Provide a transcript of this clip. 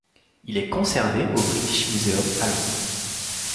Il est conservé au British Museum à Londres.